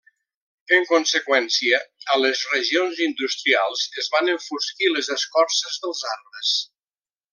En conseqüència a les regions industrials es van enfosquir les escorces dels arbres.